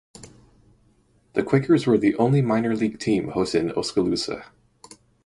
The Quakers were the only minor league team hosted in Oskaloosa.